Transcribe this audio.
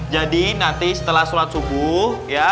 jadi nanti setelah surat subuh ya